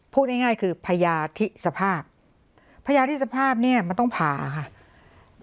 พูดง่ายคือพญาธิสภาพพญาธิสภาพเนี่ยมันต้องผ่าค่ะ